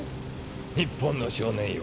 日本の少年よ